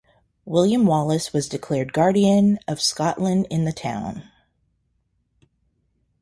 William Wallace was declared guardian of Scotland in the town.